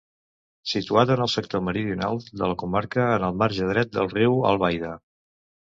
Situat en el sector meridional de la comarca en el marge dret del riu Albaida.